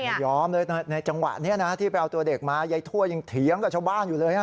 ไม่ยอมเลยในจังหวะนี้นะที่ไปเอาตัวเด็กมายายทั่วยังเถียงกับชาวบ้านอยู่เลย